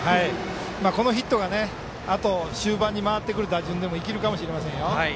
このヒットがあと終盤に回ってくる打順でも生きるかもしれませんよ。